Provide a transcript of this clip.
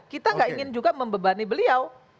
kita nggak ingin juga membebani beliau